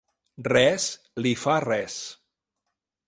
Res li fa res.